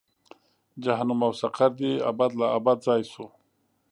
جهنم او سقر دې ابد لا ابد ځای شو.